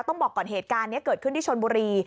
ต้องบอกก่อนเหตุการณ์นี้เกิดขึ้นที่ชนบุรี